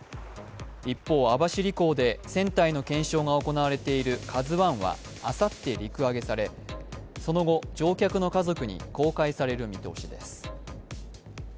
一方、網走港で船体の検証が行われている「ＫＡＺＵⅠ」はあさって陸揚げされ、その後、乗客の家族に公開される見通しです。